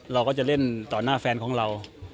เราก็จะเล่นต่อหน้าแฟนของเรา